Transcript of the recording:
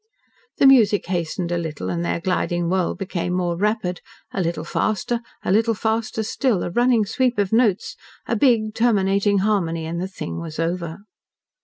The music hastened a little, and their gliding whirl became more rapid a little faster a little faster still a running sweep of notes, a big, terminating harmony, and the thing was over.